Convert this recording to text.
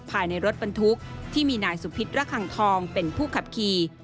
ภายในรถบรรทุกที่มีนายสุพิษระคังทองเป็นผู้ขับขี่